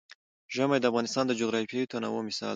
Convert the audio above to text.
ژمی د افغانستان د جغرافیوي تنوع مثال دی.